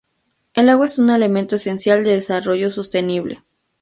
El agua es un elemento esencial del desarrollo sostenible.